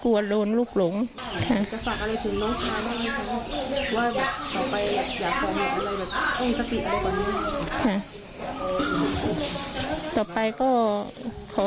กังฟูเปล่าใหญ่มา